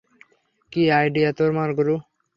কী idea তোমার গুরু!